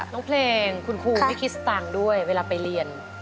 น้องเพลงคุณครูไม่คิดสตางค์ด้วยเวลาไปเรียน